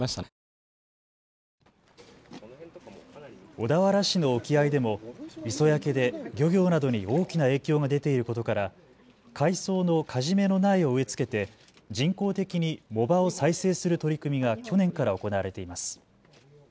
小田原市の沖合でも磯焼けで漁業などに大きな影響が出ていることから海藻のカジメの苗を植え付けて人工的に藻場を再生する取り組みが去年から行われています。